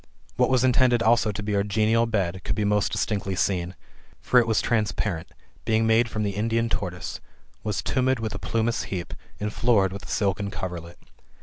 What was intended also to be our genial bed, could be most distinctly seen. For it was transparent, being made from the Indian tortoise, was tumid with a plumous heap, and florid with a silken coverlet.